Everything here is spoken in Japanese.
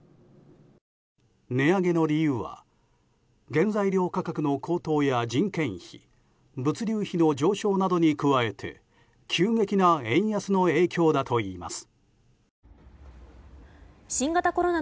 値上げの理由は原材料価格の高騰や人件費物流費の上昇などに加えて急激な円安の影響だといいます。